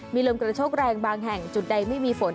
มีลมกระโชคแรงบางแห่งจุดใดไม่มีฝน